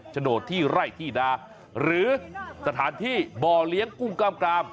ชโนธิไร่ที่ดาหรือสถานที่บ่อเลี้ยงกุ้งกล่าม